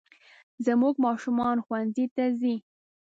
زموږ ماشومان ښوونځي ته ځي